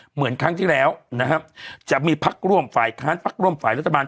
เหมือนครั้งที่แล้วนะครับจะมีพักร่วมฝ่ายค้านพักร่วมฝ่ายรัฐบาล